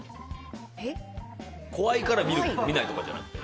怖いから見ないんじゃなくて？